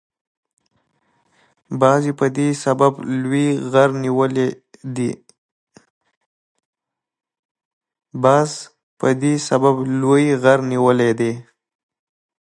باز په دې سبب لوی غر نیولی دی.